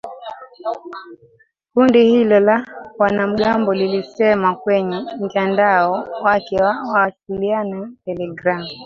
Kundi hilo la wanamgambo lilisema kwenye mtandao wake wa mawasiliano ya telegram